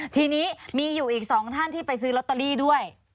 ทีนี้มีอยู่อีก๒ท่านที่ไปซื้อลอตเตอรี่ด้วย